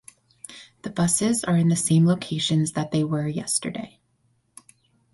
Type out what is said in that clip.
The buses are in the same locations that they were yesterday.